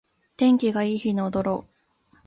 天気がいい日に踊ろう